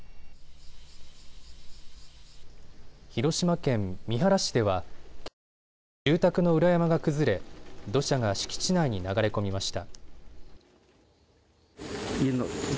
広島県三原市では、けさ住宅の裏山が崩れ土砂が敷地内に流れ込みました。